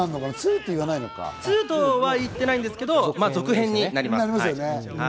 『２』とは言ってないんですけど続編になります。